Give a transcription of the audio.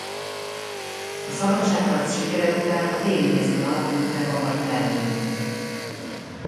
A szabadságharc sikere után a déli részből alakult meg a mai Belgium.